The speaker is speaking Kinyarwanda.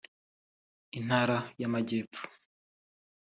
Intara y’Amajyepfo